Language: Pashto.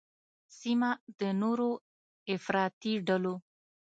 سیمه د نوو افراطي ډلو